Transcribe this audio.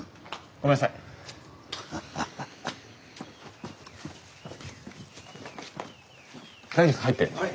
ごめんなさい。